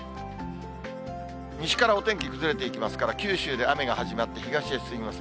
西からお天気崩れていきますから、九州で雨が始まって、東へ進みます。